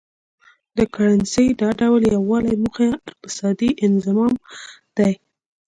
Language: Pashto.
د کرنسۍ د دا ډول یو والي موخه اقتصادي انضمام دی.